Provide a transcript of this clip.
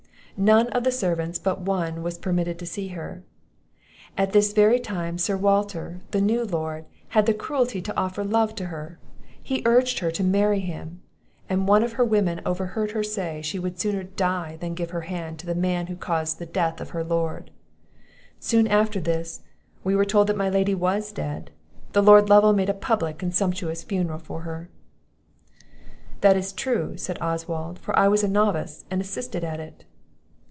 None of the servants, but one, were permitted to see her. At this very time, Sir Walter, the new lord, had the cruelty to offer love to her; he urged her to marry him; and one of her women overheard her say, she would sooner die than give her hand to the man who caused the death of her Lord; Soon after this, we were told my Lady was dead. The Lord Lovel made a public and sumptuous funeral for her." "That is true," said Oswald; "for I was a novice, and assisted at it."